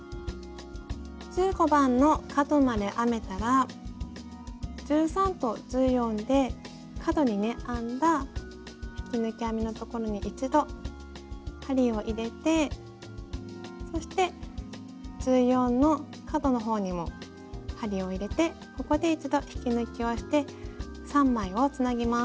１５番の角まで編めたら１３と１４で角にね編んだ引き抜き編みのところに一度針を入れてそして１４の角のほうにも針を入れてここで一度引き抜きをして３枚をつなぎます。